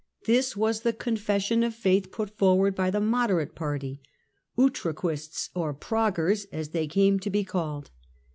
This was the confession of faith put forward by the moderate party, Utraquists or Praguers as they came to be called.